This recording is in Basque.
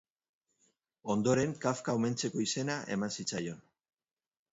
Ondoren Kafka omentzeko izena eman zitzaion.